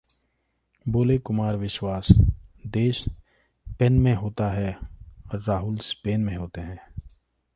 बोले कुमार विश्वास- देश 'पेन' में होता है राहुल स्पेन में होते हैं